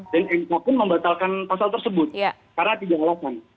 dan enka pun membatalkan pasal tersebut karena tidak melakukan